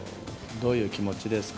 どういう気持ちですか？